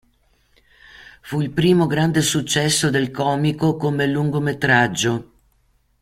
Fu il primo grande successo del comico come lungometraggio.